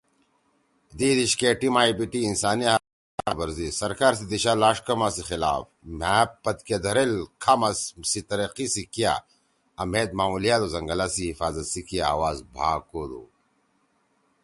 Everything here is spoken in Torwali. دُئی دیِشکے ٹیم ائی بی ٹی انسانی حقا سی خلاف ورزی، سرکار سی دیِشا لاݜ کما سی خلاف، مھأ پتکے دھریل کھاما سی تیِریِقی سی کیا آں مھید ماحولیات او زنگلا سی حفاطت سی کیا آواز بھاکودُو۔